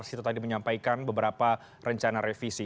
kita tadi menyampaikan beberapa rencana revisi